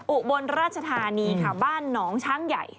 อุบลราชธานีค่ะบ้านหนองช้างใหญ่